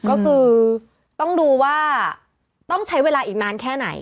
ก็คือต้องดูว่าต้องใช้เวลาอีกนานแค่ไหน